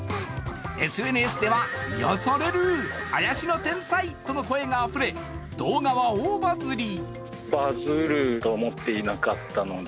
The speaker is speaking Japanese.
ＳＮＳでは、癒やされる、あやしの天才との声があふれ動画は大バズリ。